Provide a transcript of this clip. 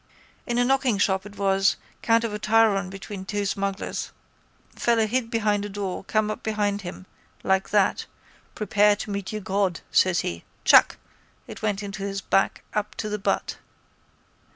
—In a knockingshop it was count of a tryon between two smugglers. Fellow hid behind a door, come up behind him. Like that. Prepare to meet your God, says he. Chuk! It went into his back up to the butt.